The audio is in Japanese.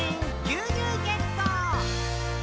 「牛乳ゲット！」